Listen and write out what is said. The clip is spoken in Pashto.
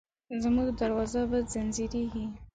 زموږ دروازه به ځینځېرې،